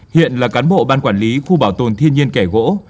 hiện là cán bộ ban quản lý khu bảo tồn thiên nhiên kẻ gỗ